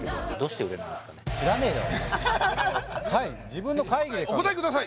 自分の会議でお答えください